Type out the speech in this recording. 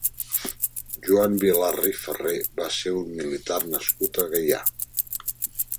Joan Vilar i Ferrer va ser un militar nascut a Gaià.